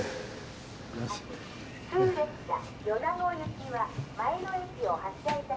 普通列車米子行きは前の駅を発車いたしました。